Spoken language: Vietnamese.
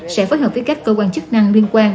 sẽ phối hợp với các cơ quan chức năng liên quan